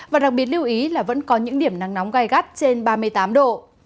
và đặc biệt lưu ý là vẫn có những điểm nắng nóng gai gắt trên ba mươi tám độ